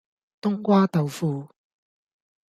冬瓜豆腐